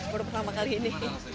baru pertama kali ini